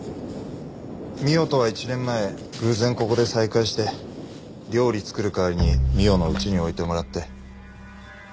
美緒とは１年前偶然ここで再会して料理作る代わりに美緒の家に置いてもらって。